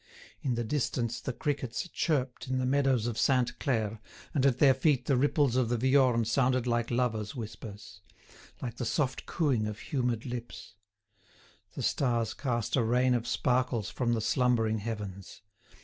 In the distance the crickets chirped in the meadows of Sainte Claire, and at their feet the ripples of the Viorne sounded like lovers' whispers—like the soft cooing of humid lips. The stars cast a rain of sparkles from the slumbering heavens.